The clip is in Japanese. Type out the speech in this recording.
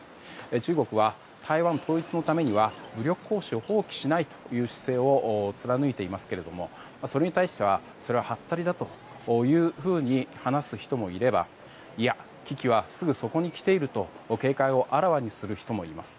中国は台湾統一のためには武力行使を放棄しないという姿勢を貫いていますけれどもそれに対してはそれは、はったりだというふうに話す人もいればいや、危機はすぐそこに来ていると警戒をあらわにする人もいます。